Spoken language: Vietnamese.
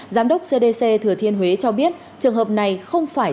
giám đốc cdc thừa thiên huế cho biết trường hợp này không phải